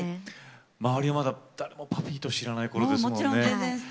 周りは、まだ誰もＰＵＦＦＹを知らないころですもんね。